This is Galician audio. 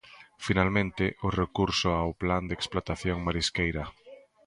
Finalmente, o recurso ao Plan de explotación marisqueira.